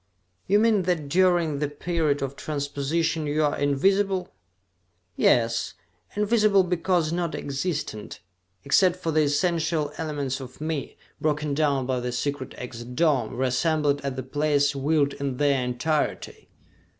"You mean that during the period of transposition you are invisible?" "Yes, invisible because non existent, except for the essential elements of me, broken down by the secret exit dome, reassembled at the place willed in their entirety!